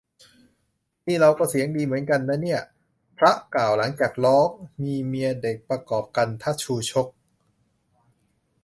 "นี่เราก็เสียงดีเหมือนกันนะเนี่ย" พระกล่าว หลังจากร้อง มีเมียเด็ก ประกอบกัณฑ์ชูชก